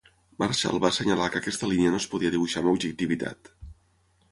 Marshall va assenyalar que aquesta línia no es podia dibuixar amb objectivitat.